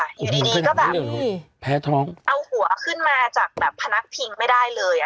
อยู่ดีก็แบบเอาหัวขึ้นมาจากแบบพนักพิงไม่ได้เลยอะ